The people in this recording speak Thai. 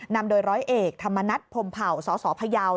นำโดยร้อยเอกธรรมนัฐพรมเผ่าสสพยาว